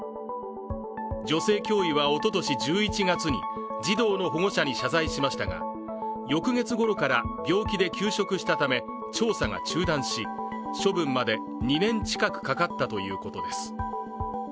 女性教諭はおととし１１月に児童の保護者に謝罪しましたが翌月ごろから病気で休職したため調査が中断し処分まで２年近くかかったということです。